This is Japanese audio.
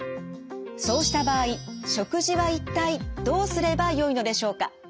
そうした場合食事は一体どうすればよいのでしょうか？